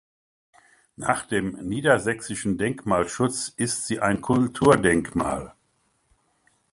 Nach dem Niedersächsischen Denkmalschutz ist sie ein Kulturdenkmal.